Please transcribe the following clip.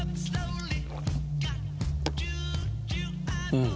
うん。